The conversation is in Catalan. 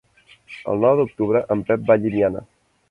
El nou d'octubre en Pep va a Llimiana.